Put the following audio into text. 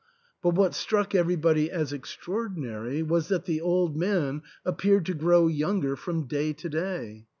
But what struck everybody as extraordinary was that the old man appeared to grow younger from day to day.